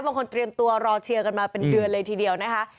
เตรียมตัวรอเชียร์กันมาเป็นเดือนเลยทีเดียวนะคะ